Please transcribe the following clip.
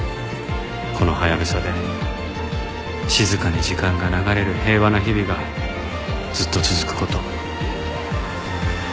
このハヤブサで静かに時間が流れる平和な日々がずっと続く事を。